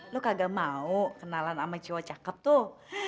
lo kagak mau kenalan sama cewek cakep tuh